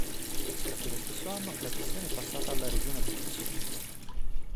Dal quello stesso anno, la gestione è passata alla Regione Abruzzo.